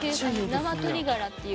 生鶏ガラっていう。